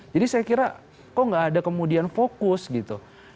saya kira kok nggak ada kemudian fokus gitu